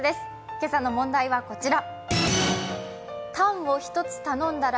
今朝の問題はこちら。